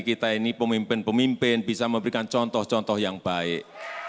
kita ini pemimpin pemimpin bisa memberikan contoh contoh yang baik